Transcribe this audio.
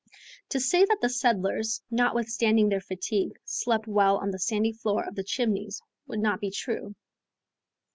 To say that the settlers, notwithstanding their fatigue, slept well on the sandy floor of the Chimneys would not be true.